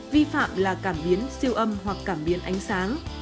vi phạm là cảm biến siêu âm hoặc cảm biến ánh sáng